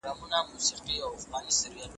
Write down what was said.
ښوونکی پرون پر وخت حاضر سو.